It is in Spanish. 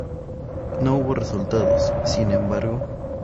No hubo resultados, sin embargo.